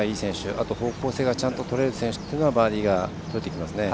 あと方向性がちゃんととれる選手というのがバーディーとれてきますね。